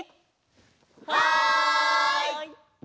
はい！